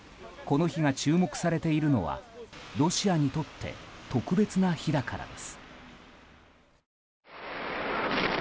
この日が注目されているのはロシアにとって特別な日だからです。